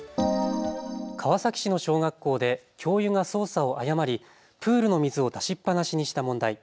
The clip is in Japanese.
川崎市の小学校で教諭が操作を誤り、プールの水を出しっぱなしにした問題。